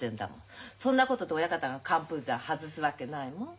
そんなことで親方が寒風山外すわけないもん。